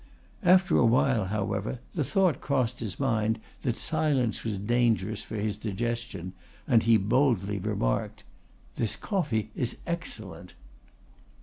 After a while, however, the thought crossed his mind that silence was dangerous for his digestion, and he boldly remarked, "This coffee is excellent."